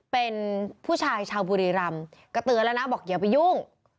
เป็นผู้ชายชาวบุรีรำก็เตือนแล้วนะบอกอย่าไปยุ่ง